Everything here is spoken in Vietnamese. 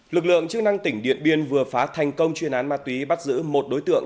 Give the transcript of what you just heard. lực lượng chức năng tỉnh điện biên vừa phá thành công chuyên án ma túy bắt giữ một đối tượng